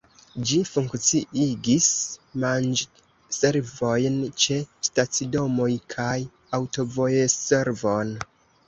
Ĝi funkciigis manĝservojn ĉe stacidomoj kaj aŭtovojservon.